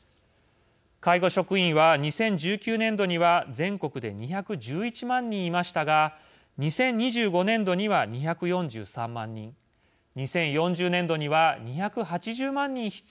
介護職員は２０１９年度には全国で２１１万人いましたが２０２５年度には２４３万人２０４０年度には２８０万人必要になると推計されています。